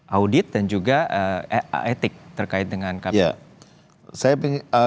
audit dan juga etik terkait dengan kpk